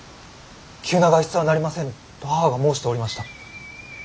急な外出はなりませぬと母が申しておりました。